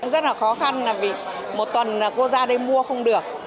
rất là khó khăn là vì một tuần là cô ra đây mua không được